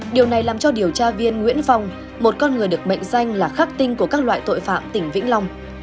điều này làm cho điều tra viên nguyễn phong một con người được mệnh danh là khắc tinh của các loại tội phạm tỉnh vĩnh long